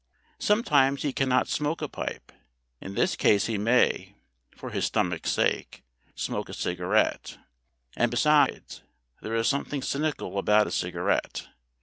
Sometimes he cannot smoke a pipe. In this case he may for his stomach's sake smoke a cigarette. And, besides, there is something cynical about a cigarette.